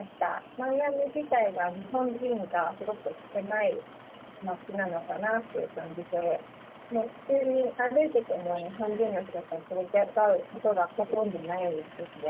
マイアミ自体が日本人がすごく少ない街なのかなっていう感じで、普通に歩いてても、日本人の人とすれ違うことがほとんどないですね。